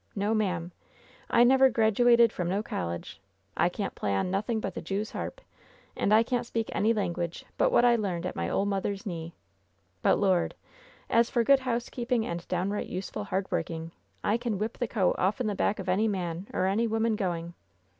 No, ma'am ! I never grad uated from no college. I can't play on nothing but the Jew's harp, and I can't speak any language but what I learned at my ole mother's knee. But, Lord! as for good housekeeping and downright useful hard working, I can whip the coat offen the back of any man or any woman going."